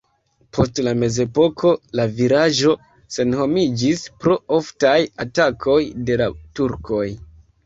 Post la mezepoko la vilaĝo senhomiĝis pro oftaj atakoj de la turkoj.